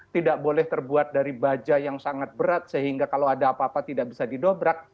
tidak boleh terbuat dari baja yang sangat berat sehingga kalau ada apa apa tidak bisa didobrak